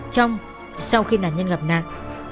trong sau khi nạn nhân gặp nạn